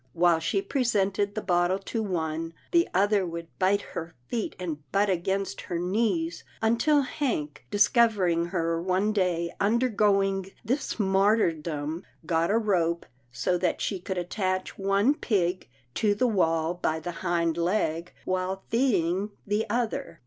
While she presented the bottle to one, the other would bite her feet and butt against her knees, un til Hank, discovering her one day undergoing this martyrdom, got a rope, so that she could attach one pig to the wall by the hind leg, while feed ing the other.